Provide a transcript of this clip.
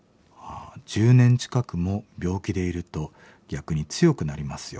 １０年近くも病気でいると逆に強くなりますよ。